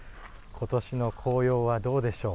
ことしの紅葉は、どうでしょう。